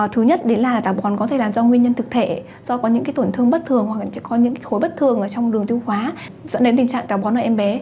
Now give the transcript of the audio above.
thứ nhất là táo bón có thể là do nguyên nhân thực thể do có những tổn thương bất thường hoặc là có những khối bất thường trong đường tiêu hóa dẫn đến tình trạng táo bón ở em bé